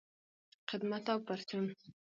خدمت او پرچون